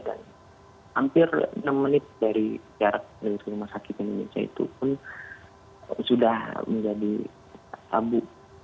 dan hampir enam menit dari rumah sakit indonesia itu pun sudah menjadi tabu